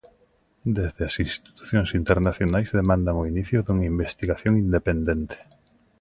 Desde as institucións internacionais demandan o inicio dunha investigación independente.